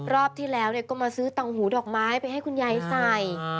รอบที่แล้วก็มาซื้อเตาหูดอกไม้ไปให้คุณยายใส่